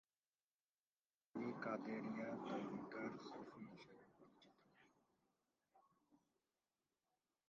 তিনি কাদেরিয়া তরিকার সুফি হিসেবে পরিচিত।